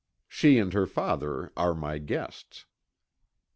She and her father are my guests."